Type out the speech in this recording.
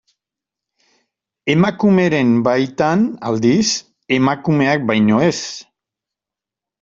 Emakumeren baitan, aldiz, emakumeak baino ez.